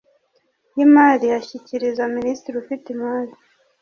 y’imari ashyikiriza minisitiri ufite imari